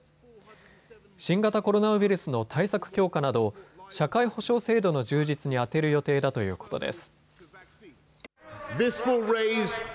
新型コロナウイルスの対策強化など社会保障制度の充実に充てる予定だということです。